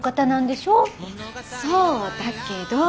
そうだけど。